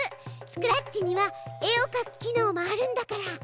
スクラッチには絵を描く機能もあるんだから。